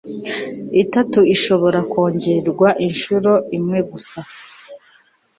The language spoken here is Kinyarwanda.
itatu ishobora kongerwa inshuro imwe gusa